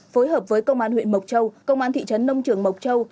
phối hợp với công an huyện mộc châu công an thị trấn nông trường mộc châu